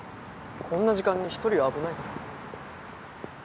こんな時間に一人は危ないだろ。